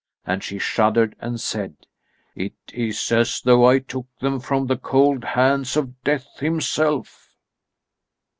And she shuddered and said: "It is as though I took them from the cold hands of Death himself."